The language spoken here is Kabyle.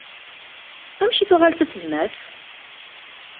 Amek i tuɣal d taselmadt?